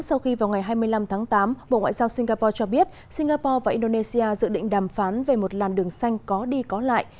sau khi vào ngày hai mươi năm tháng tám bộ ngoại giao singapore cho biết singapore và indonesia dự định đàm phán về một làn đường xanh có đi có lại